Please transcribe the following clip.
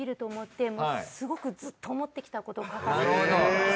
すごくずっと思ってきたことを書かせて。